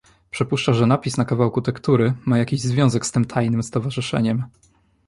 "Przypuszcza, że napis na kawałku tektury ma jakiś związek z tem tajnem stowarzyszeniem."